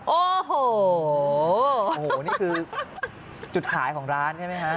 โอ้โหโอ้โหนี่คือจุดขายของร้านใช่ไหมฮะ